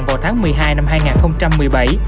vào tháng một mươi hai năm hai nghìn một mươi bảy